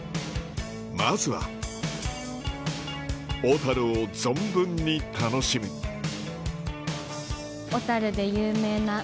まずは小樽を存分に楽しむハハハハ！